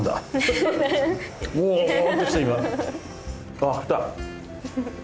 あっきた。